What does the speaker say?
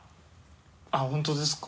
あっ本当ですか。